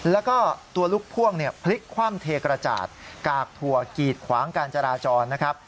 แล้วก็ตัวลูกพ่วงเนี่ยพลิกคว่ำเทกระจาดกากถั่วกีดขวางการจราจรนะครับ